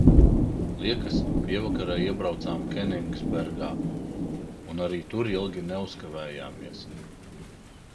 Liekas, pievakarē iebraucām Keningsbergā un arī tur ilgi neuzkavējamies.